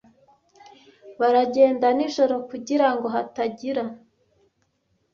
Baragenda nijoro kugirango hatagira